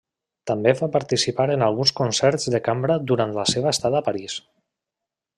També va participar en alguns concerts de cambra durant la seva estada a París.